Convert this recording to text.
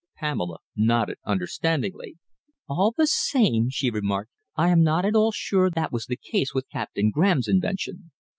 Pamela nodded understandingly. "All the same," she remarked, "I am not at all sure that was the case with Captain Graham's invention.